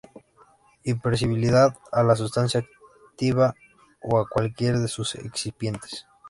Hipersensibilidad a la sustancia activa o a cualquiera de sus excipientes.